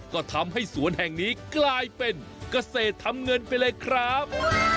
ก็ทำให้สวนแห่งนี้กลายเป็นเกษตรทำเงินไปเลยครับ